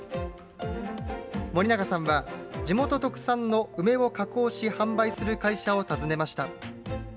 森永さんは、地元特産の梅を加工し、販売する会社を訪ねました。